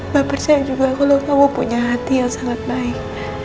bapak percaya juga kalau kamu punya hati yang sangat baik